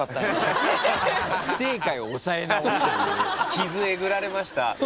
傷えぐられました。